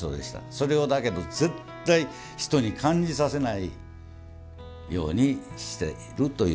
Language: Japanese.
それをだけど絶対人に感じさせないようにしているというのが師匠の本質ですね。